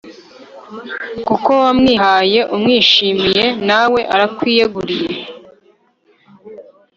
kuko wamwihaye umwishimiye nawe arakwiyeguriye